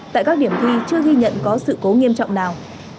tại các điểm thi chưa ghi nhận có sự cố nghiêm trọng nào